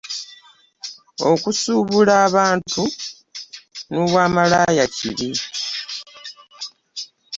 Okusuubula abantu n’obwamalaaya kibi.